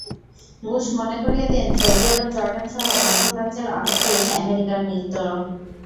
Bush মনে করিয়ে দেন, সৌদি আরব, জর্ডানসহ মধ্যপ্রাচ্যের অনেক দেশ আমেরিকার মিত্র।